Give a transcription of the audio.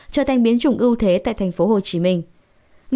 trở thành biến chủng ưu thế tại thành phố hồ chí minh